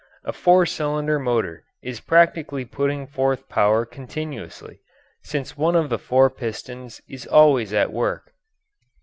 A four cylinder motor is practically putting forth power continuously, since one of the four pistons is always at work.